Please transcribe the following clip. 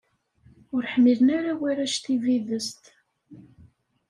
Ur ḥmilen ara warrac tibidest.